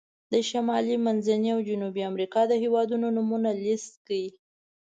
د شمالي، منځني او جنوبي امریکا د هېوادونو نومونه لیست کړئ.